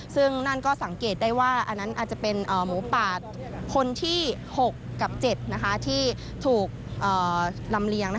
ซึ่งนั่นก็สังเกตได้ว่าอันนั้นอาจจะเป็นหมูป่าคนที่๖กับ๗ที่ถูกลำเลียง